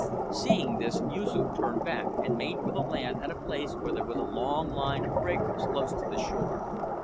Seeing this, Yoosoof turned back and made for the land at a place where there was a long line of breakers close to the shore.